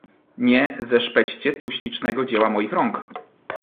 "Nie zeszpećcie tu ślicznego dzieła moich rąk!"